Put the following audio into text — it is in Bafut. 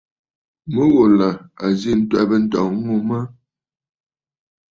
Mû ghù là à zî ǹtwɛ̀bə̂ ǹtɔ̀ŋ ŋù mə̀.